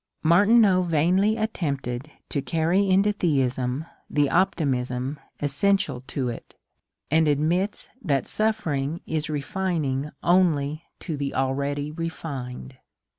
Martineau vainly attempted to carry into theism the optimism essential to it, and admits that suffering is refining only to the already refined.